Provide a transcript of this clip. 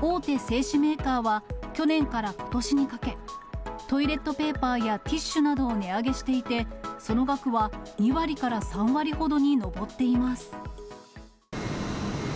大手製紙メーカーは、去年からことしにかけ、トイレットペーパーやティッシュなどを値上げしていて、その額は２割から３割ほどに上っています。